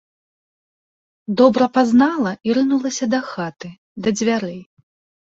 Добра пазнала і рынулася да хаты, да дзвярэй.